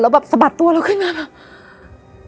แล้วแบบสะบัดตัวเราขึ้นมาแบบ